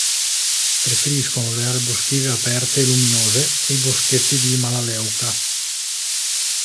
Preferiscono le aree boschive aperte e luminose e i boschetti di melaleuca.